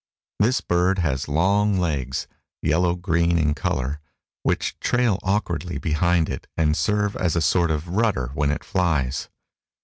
This bird has long legs, yellow green in color, which trail awkwardly behind it and serve as a sort of rudder when it flies.